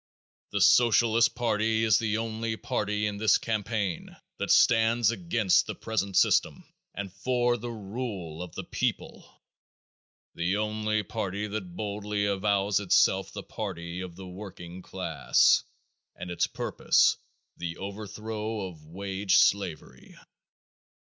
The Socialist party is the only party in this campaign that stands against the present system and for the rule of the people; the only party that boldly avows itself the party of the working class and its purpose the overthrow of wage slavery.